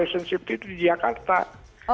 untuk patient safety itu ada jakarta deklarasi who